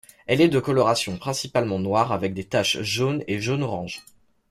Elle est de coloration principalement noire avec des taches jaunes et jaune-orange.